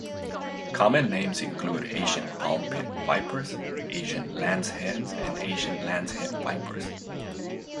Common names include Asian palm pit vipers, Asian lanceheads and Asian lance-headed vipers.